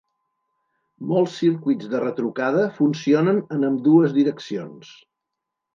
Molts circuits de retrucada funcionen en ambdues direccions.